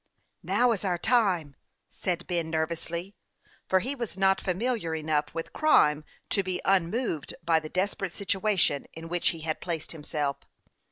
" Now is our time," said Ben, nervously ; for he was not familiar enough with crime to be unmoved by the desperate situation in which he had placed himself.